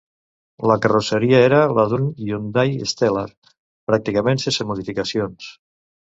La carrosseria era la d'un Hyundai Stellar pràcticament sense modificacions.